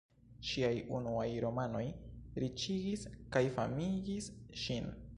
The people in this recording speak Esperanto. Ŝiaj unuaj romanoj riĉigis kaj famigis ŝin.